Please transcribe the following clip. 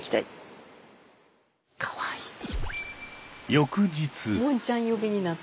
翌日。